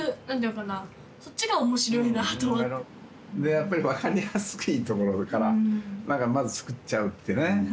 やっぱり分かりやすくいいところからまず作っちゃうってね。